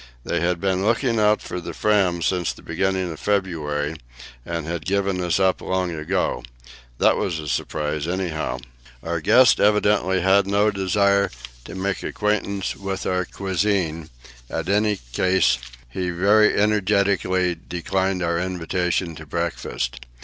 They had been looking out for the Fram since the beginning of February, and had given us up long ago. That was a surprise, anyhow. Our guest evidently had no desire to make the acquaintance of our cuisine; at any rate, he very energetically declined our invitation to breakfast.